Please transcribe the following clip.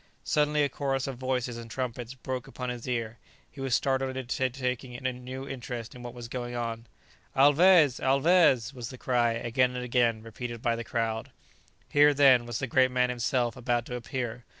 Suddenly a chorus of voices and trumpets broke upon his ear; he was startled into taking a new interest in what was going on. "Alvez! Alvez!" was the cry again and again repeated by the crowd. Here, then, was the great man himself about to appear.